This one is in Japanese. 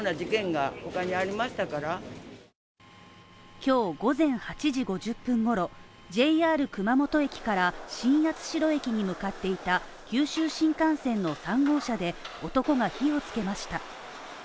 今日午前８時５０分ごろ、ＪＲ熊本駅から新八代駅に向かっていた九州新幹線の３号車で、男が火をつけました。